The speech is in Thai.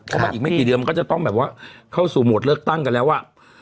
เพราะมันอีกไม่กี่เดือนมันก็จะต้องแบบว่าเข้าสู่โหมดเลือกตั้งกันแล้วอ่ะ